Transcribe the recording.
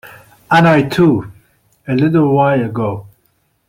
And I too, a little while ago.